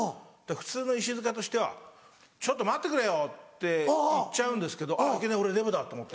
普通の石塚としては「ちょっと待ってくれよ」って言っちゃうんですけどあっいけねえ俺デブだと思って。